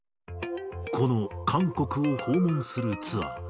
この韓国を訪問するツアー。